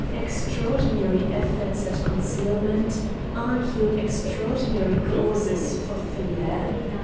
Extraordinary efforts at concealment argue extraordinary causes for fear.